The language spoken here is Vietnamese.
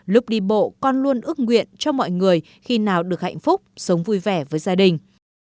lúc đi bộ con luôn ước nguyện cho mọi người khi nào được hạnh phúc sống vui vẻ với gia đình